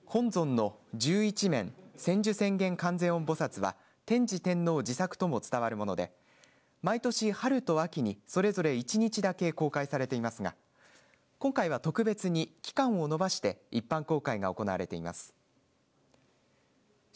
本尊の十一面千手千眼観世音菩薩は天智天皇自作とも伝わるもので毎年春と秋にそれぞれ１日だけ公開されていますが今回は特別に期間を延ばして一般公開が行われています。